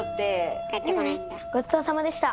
ううんごちそうさまでした！